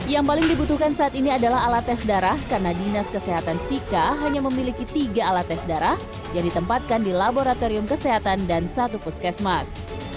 yang paling dibutuhkan saat ini adalah alat tes darah karena dinas kesehatan sika hanya memiliki tiga alat tes darah yang ditempatkan di laboratorium kesehatan dan satu puskesmas